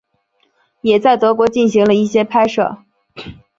也在德国进行了一些拍摄。